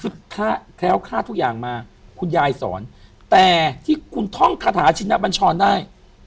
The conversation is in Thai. แคล้วค่าทุกอย่างมาคุณยายสอนแต่ที่คุณท่องคาถาชินบัญชรได้